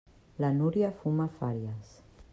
La Núria fuma fàries.